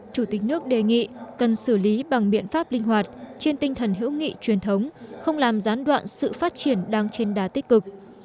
chủ tịch nước đề nghị cần xử lý bằng biện pháp linh hoạt trên tinh thần hữu nghị truyền thống không làm gián đoạn sự phát triển đang trên đá tích cực